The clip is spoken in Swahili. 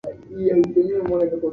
Mimi huteseka sana